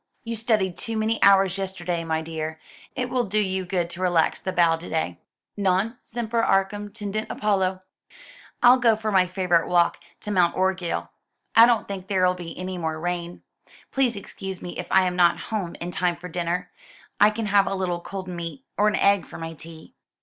"You studied too many hours yesterday, my dear. It will do you good to relax the bow to day. Non semper arcum tendit Apollo!" "I'll go for my favourite walk to Mount Orgueil. I don't think there'll be any more rain. Please excuse me if I am not home in time for dinner. I can have a little cold meat, or an egg, for my tea."